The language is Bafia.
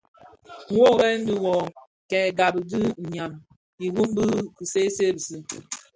Wuoren dhi wuō kè gab dhi “nyam imum” bi ki see see bisi,